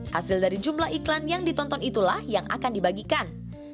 hasil dari jumlah iklan yang ditonton itulah yang akan dibagikan